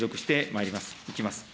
いきます。